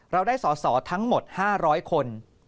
เราได้สอสอทั้งหมด๕๐๐คน